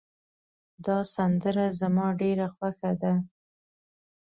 دا سندره زما ډېره خوښه ده